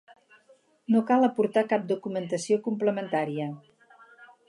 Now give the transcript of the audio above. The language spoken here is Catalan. No cal aportar cap documentació complementària.